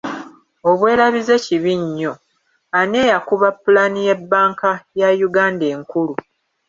Obwerabize kibi nnyo, ani eyakuba pulaani ye bbanka ya Uganda enkulu?